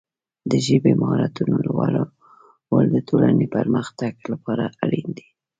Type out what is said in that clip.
د ژبې د مهارتونو لوړول د ټولنې د پرمختګ لپاره اړین دي.